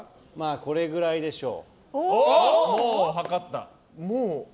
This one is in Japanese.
これくらいでしょう。